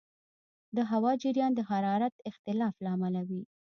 د هوا جریان د حرارت اختلاف له امله دی.